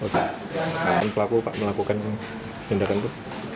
kenapa melakukan tindakan itu